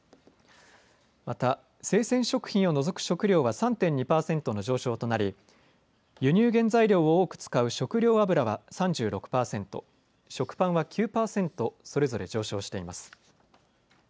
また生鮮食品を除く食料は３．２％の上昇となり輸入原材料を多く使う食料油は３６％、食パンは９％それぞれ上昇しています。